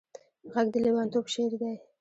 غږ د لېونتوب شعر دی